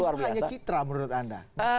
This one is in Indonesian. jadi ini semua hanya citra menurut anda